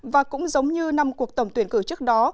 và cũng giống như năm cuộc tổng tuyển cử trước đó